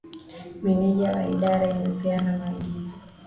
Meneja wa idara anapeana maagizo